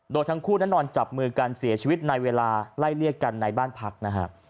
โดยทั้งคู่นั้นนอนจับมือกันเสียชีวิตในเวลาไล่เลี่ยกันในบ้านพักนะฮะ